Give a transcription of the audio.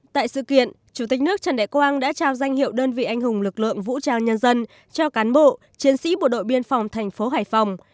tại sự kiện chủ tịch nước trần đại quang đã trao danh hiệu đơn vị anh hùng lực lượng vũ trang nhân dân cho cán bộ chiến sĩ bộ đội biên phòng thành phố hải phòng